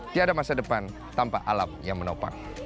tiada masa depan tanpa alam yang menopang